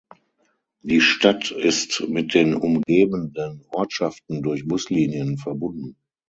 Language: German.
Die Stadt ist mit den umgebenden Ortschaften durch Buslinien verbunden.